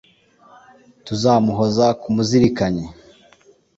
Tuzamuhoza ku muzirikanyi